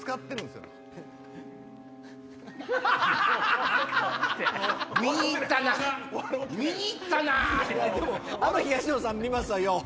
でもあの東野さん見ますわよう。